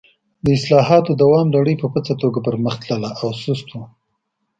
د اصلاحاتو دوام لړۍ په پڅه توګه پر مخ تلله او سست و.